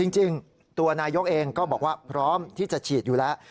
จริงตัวนายกเองก็บอกว่าพร้อมที่จะฉีดอยู่แล้ว